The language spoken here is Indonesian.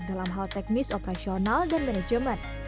dalam hal teknis operasional dan manajemen